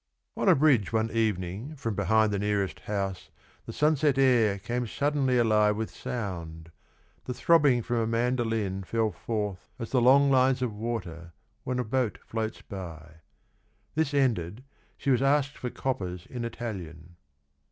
On a bridge one evening From behind the nearest house The sunset air came suddenly alive with sound, The throbbing from a mandoline fell forth As the long lines of water when a boat floats by. — This ended, she was asked for coppers In Italian.